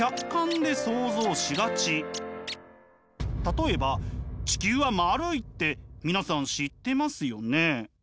例えば地球は丸いって皆さん知ってますよね。